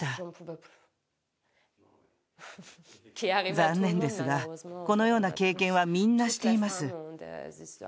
残念なですが、このような経験はみんなしています。